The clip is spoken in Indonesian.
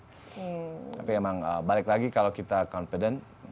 tapi emang balik lagi kalau kita confident